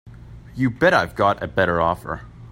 You bet I've got a better offer.